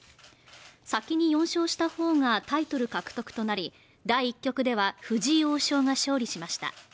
先に４勝したほうがタイトル獲得となり第１局では藤井王将が勝利しました